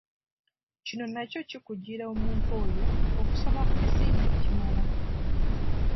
Kino nakyo kikugira omuntu oyo okusoma ku misinde egimala.